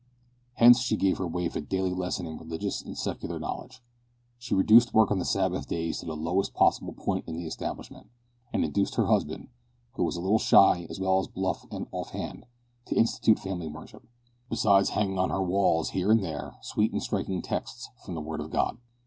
Hence she gave her waif a daily lesson in religious and secular knowledge; she reduced work on the Sabbath days to the lowest possible point in the establishment, and induced her husband, who was a little shy as well as bluff and off hand, to institute family worship, besides hanging on her walls here and there sweet and striking texts from the Word of God.